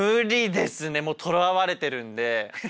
とらわれてるんで。